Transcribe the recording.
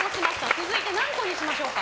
続いて何個にしましょうか？